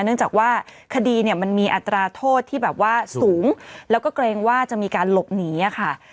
เนื่องจากว่าคดีเนี่ยมันมีอัตราโทษที่แบบว่าสูงแล้วก็เกรงว่าจะมีการหลบหนีค่ะ